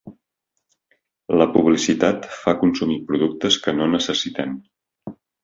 La publicitat fa consumir productes que no necessitem.